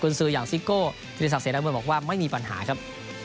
กุญสืออย่างซิโก้ทฤษศักดิ์เสริมรับบอกว่าไม่มีปัญหาครับ